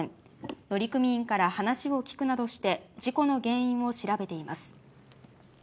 乗組員から話を聞くなどして事故の原因を調べています。